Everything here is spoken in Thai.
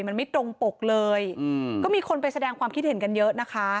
มันไม่ตรงปกเลยอืมก็มีคนไปแสดงความคิดเห็นกันเยอะนะคะ